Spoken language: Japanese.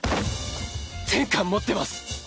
全巻持ってます。